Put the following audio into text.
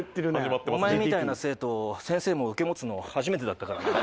お前みたいな生徒先生も受け持つの初めてだったからな。